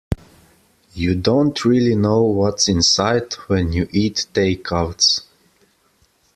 You don't really know what's inside when you eat takeouts.